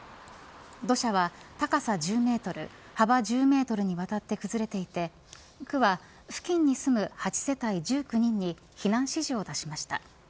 土砂は高さ１２メートル幅１０メートルにわたって崩れていて区は付近に住む８世帯１９人に避難指示を出しました。